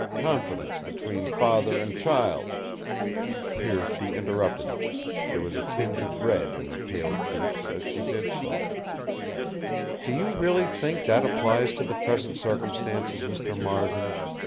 —Confidence between father and child—" Here she interrupted him; there was a tinge of red in her pale cheeks as she did so: "Do you really think that applies to the present circumstances, Mr. Marvin?